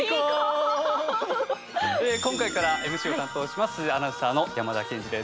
今回からＭＣを担当します